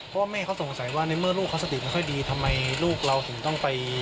ก็ไม่เขาสงสัยว่าในเมื่อลูกสติบดีทำไมลูกเราถึงต้องไป